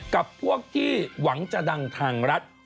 กับพวกที่หวังจะดังทางรัฐ